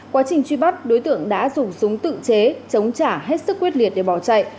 quá trình truy bắt đối tượng đã dùng súng tự chế chống trả hết sức quyết liệt để bỏ chạy